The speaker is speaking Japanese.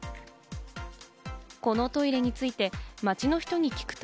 このトイレについて街の人に聞くと。